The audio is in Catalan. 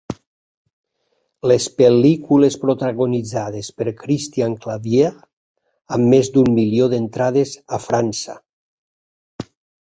Les pel·lícules protagonitzades per Christian Clavier amb més d'un milió d'entrades a França.